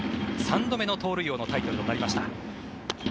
３度目の盗塁王のタイトルとなりました。